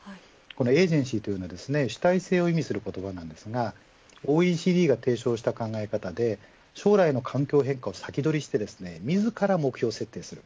エージェンシーというのは主体性を意味する言葉なんですがＯＥＣＤが提唱した考え方で将来の環境変化を先取りして自ら目標を設定する。